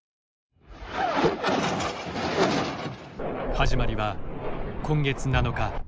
始まりは今月７日。